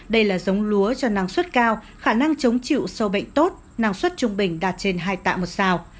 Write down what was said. đây là giống lúa cho năng suất cao khả năng chống chịu sâu bệnh tốt năng suất trung bình đạt trên hai tạ một sao